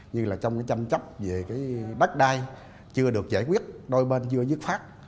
như là trong cái chăm chấp về cái bắt đai chưa được giải quyết đôi bên chưa dứt phát